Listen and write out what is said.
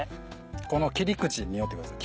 この切り口匂ってください